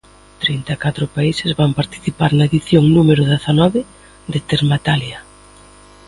Trinta e catro países van participar na edición número dezanove de Termatalia.